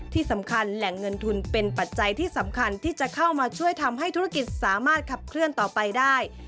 ที่สำคัญแหล่งเงินทุนเป็นปัจจัยที่สำคัญที่จะเข้ามาช่วยทำให้ธุรกิจสามารถขับเคลื่อนต่อไปได้